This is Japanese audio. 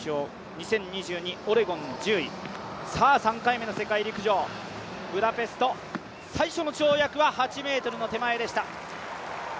２０２２、オレゴン１０位、３回目の世界陸上ブダペスト最初の跳躍は、８ｍの手前でした。